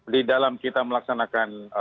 di dalam kita melaksanakan